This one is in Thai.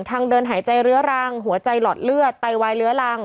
ทางเดินหายใจเรื้อรังหัวใจหลอดเลือดไตวายเลื้อรัง